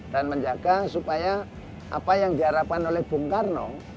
dan menjaga supaya apa yang diharapkan oleh bung karno